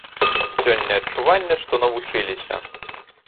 Сёння адчуванне, што навучыліся.